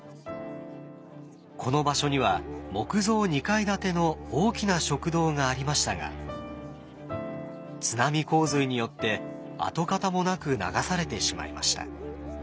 この場所には木造２階建ての大きな食堂がありましたが津波洪水によって跡形もなく流されてしまいました。